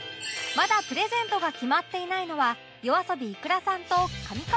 まだプレゼントが決まっていないのは ＹＯＡＳＯＢＩｉｋｕｒａ さんと上川さん